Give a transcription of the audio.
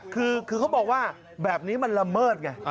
คือเขาบอกว่าแบบนี้มันละเมิดไง